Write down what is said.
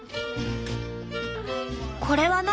これは何？